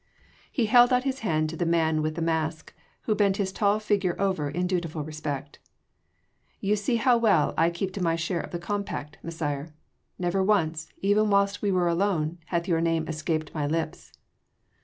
He held out his hand to the man with the mask, who bent his tall figure over it in dutiful respect. "You see how well I keep to my share of the compact, Messire. Never once even whilst we were alone hath your name escaped my lips."